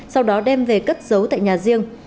sau đó đem về cất giấu tại nhà riêng